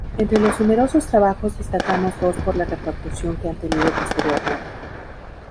Entre los numerosos trabajos destacamos dos por la repercusión que han tenido posteriormente.